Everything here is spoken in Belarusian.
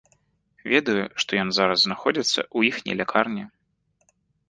Ведаю, што ён зараз знаходзіцца ў іхняй лякарні.